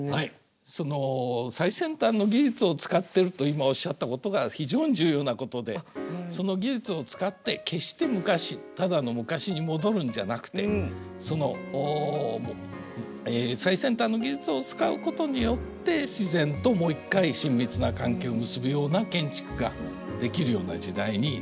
その最先端の技術を使ってると今おっしゃったことが非常に重要なことでその技術を使って決して昔ただの昔に戻るんじゃなくてその最先端の技術を使うことによって自然ともう一回親密な関係を結ぶような建築ができるような時代になりつつある。